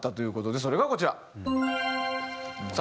それがこちら。